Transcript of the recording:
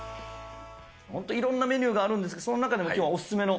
本当いろんなメニューがあるんですけど、その中でもきょうはお勧めの。